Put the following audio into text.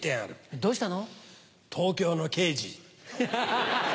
どうしたの？